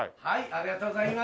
ありがとうございます。